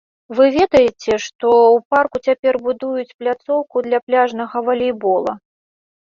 Вы ведаеце, што ў парку цяпер будуюць пляцоўку для пляжнага валейбола.